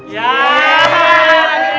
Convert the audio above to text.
ya lagi rebutan